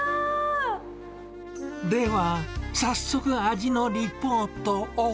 では、早速味のリポートを。